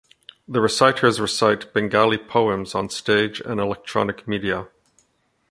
The reciters recite Bengali poems on stage and electronic media.